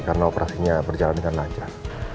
karena operasinya berjalan dengan lancar